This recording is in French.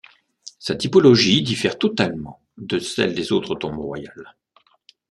Sa typologie diffère totalement de celles des autres tombes royales.